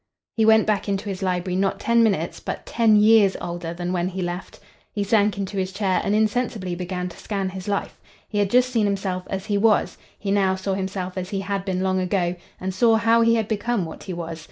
He went back into his library not ten minutes, but ten years older than when he left it. He sank into his chair and insensibly began to scan his life. He had just seen himself as he was; he now saw himself as he had been long ago, and saw how he had become what he was.